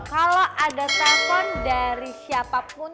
kalau ada telpon dari siapapun